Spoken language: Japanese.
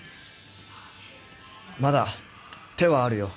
まだ手はあるよ。